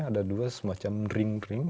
ada dua semacam ring ring